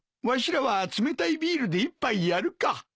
わしらは冷たいビールで一杯やるか。